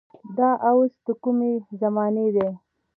دا اوس د کومې زمانې دي.